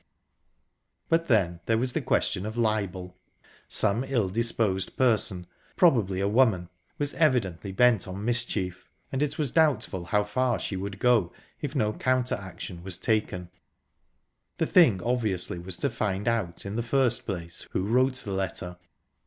But then there was the question of libel. Some ill disposed person probably a woman was evidently bent on mischief, and it was doubtful how far she would go if no counter action was taken. The thing obviously was to find out, in the first place, who wrote the letter.